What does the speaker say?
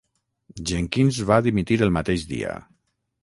Jenkins va dimitir el mateix dia.